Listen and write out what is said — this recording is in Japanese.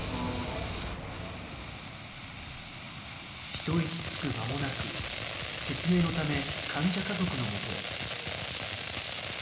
一息つく間もなく、説明のため、患者家族のもとへ。